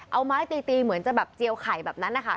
เอาไม้ตีตีเหมือนจะแบบเจียวไข่แบบนั้นนะคะ